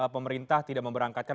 pemerintah tidak memberangkatkan